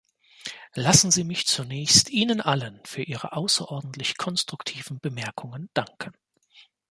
Lassen Sie mich zunächst Ihnen allen für Ihre außerordentlich konstruktiven Bemerkungen danken.